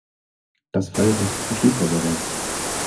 Das Fallrecht besteht ja bereits.